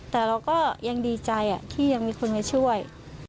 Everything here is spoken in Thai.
แต่เราก็ยังดีใจที่ยังมีคนมาช่วย